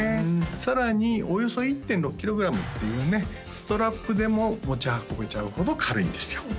さらにおよそ１．６キログラムっていうねストラップでも持ち運べちゃうほど軽いんですよ